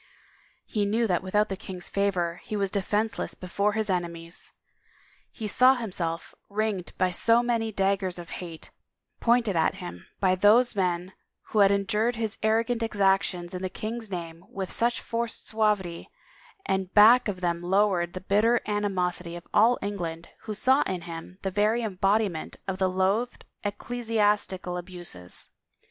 He knew that without the king's favor he was de fenseless before his enemies. He saw himself ringed in 205 THE FAVOR OF KINGS by so many daggers of hate, pointed at him by those men who had endured his arrogant exactions in the king's name with such forced suavity, and back of them lowered the bitter animosity of all England who saw in him the very embodiment of the loathed ecclesiastical abuses.